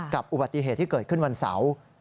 อุบัติเหตุที่เกิดขึ้นวันเสาร์